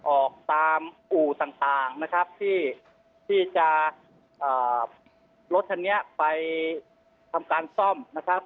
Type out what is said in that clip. ออกตามอู่ต่างต่างนะครับที่ที่จะอ่ารถทันเนี้ยไปทำการซ่อมนะครับ